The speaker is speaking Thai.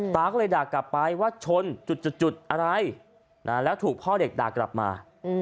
ตาก็เลยด่ากลับไปว่าชนจุดอะไรแล้วถูกพ่อเด็กด่ากลับมา